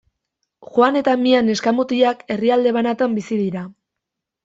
Juan eta Mia neska-mutilak herrialde banatan bizi dira.